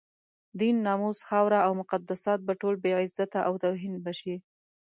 دين، ناموس، خاوره او مقدسات به ټول بې عزته او توهین به شي.